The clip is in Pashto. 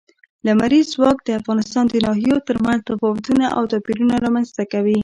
لمریز ځواک د افغانستان د ناحیو ترمنځ تفاوتونه او توپیرونه رامنځ ته کوي.